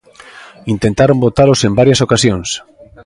Intentaron botalos en varias ocasións.